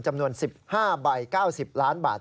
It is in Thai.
จำนวน๑๕ใบ๙๐ล้านบาท